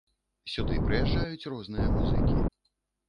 Сюды прыязджаюць розныя музыкі.